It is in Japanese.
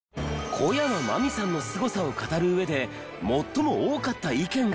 小山茉美さんのスゴさを語る上で最も多かった意見が。